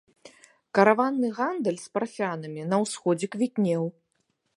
Караванны гандаль з парфянамі на ўсходзе квітнеў.